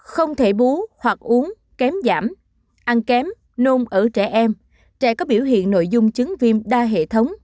không thể bú hoặc uống kém giảm ăn kém nôn ở trẻ em trẻ có biểu hiện nội dung chứng viêm đa hệ thống